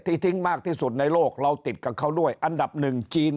ทิ้งมากที่สุดในโลกเราติดกับเขาด้วยอันดับหนึ่งจีน